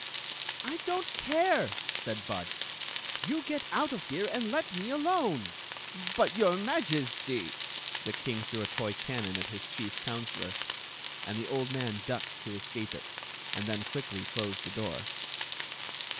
" I don't care," said Bud. "\ ou get out of here and let me alone!" "But, your Majesty — The king threw a toy cannon at his chief counselor. 98 Queen Zixi of Ix ; or, the and the old man ducked to escape it, and then quickly closed the door.